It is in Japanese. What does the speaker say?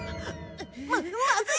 ままずい！